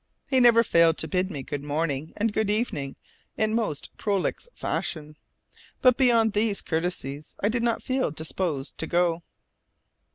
He never failed to bid me good morning and good evening in most prolix fashion, but beyond these courtesies I did not feel disposed to go.